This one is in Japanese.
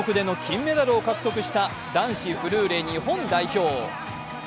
団体種目での金メダルを獲得した男子フルーレ日本代表。